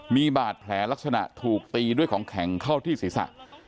มีบาดแผลลักษณะถูกตีด้วยของแข็งเข้าที่ศีรษะ